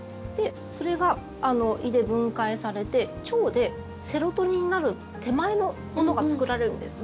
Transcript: それが胃で分解されて、腸でセロトニンになる手前のものが作られるんですよ。